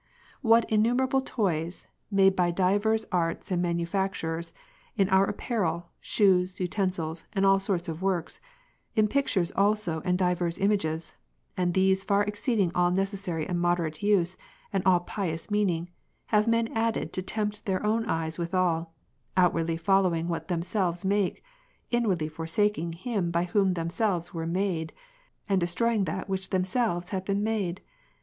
53. What innumerable toys, made by divers arts and manufactures, in our ap2:)arel, shoes, utensils and all sort of works, in pictures also and divers images, and these far exceeding all necessary and moderate use and all pious meaning, have men added to tempt their own eyes withal ; outwardly foil owing what themselves make, inwardly forsak ing Him by whom themselves were made, and destroying that which themselves have been made